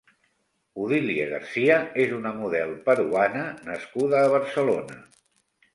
Odilia García és una model -peruana nascuda a Barcelona.